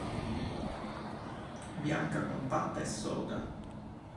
Bianca compatta e soda.